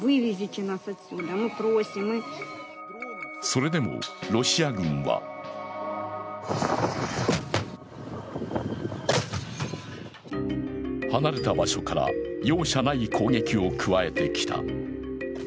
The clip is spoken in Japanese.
それでも、ロシア軍は離れた場所から容赦ない攻撃を加えてきた。